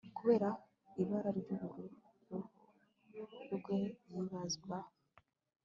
Kubera ibara ryuruhu rwe yibazwaho